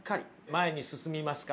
前に進みますか？